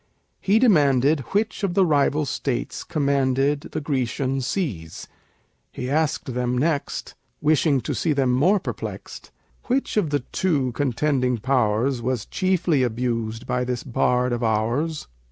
He demanded Which of the rival States commanded The Grecian seas? He asked them next (Wishing to see them more perplexed) Which of the two contending powers Was chiefly abused by this bard of ours?